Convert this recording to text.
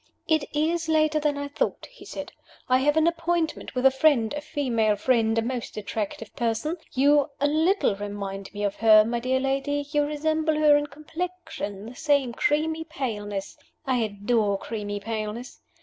"It is later than I thought," he said. "I have an appointment with a friend a female friend; a most attractive person. You a little remind me of her, my dear lady you resemble her in complexion: the same creamy paleness. I adore creamy paleness.